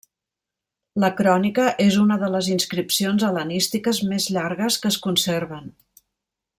La crònica és una de les inscripcions hel·lenístiques més llargues que es conserven.